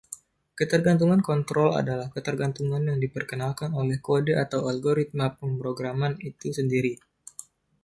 Ketergantungan kontrol adalah ketergantungan yang diperkenalkan oleh kode atau algoritma pemrograman itu sendiri.